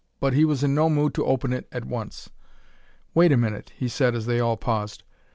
But he was in no mood to open it at once. "Wait a minute," he said as they all paused.